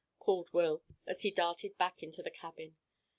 called Will, as he darted back into the cabin.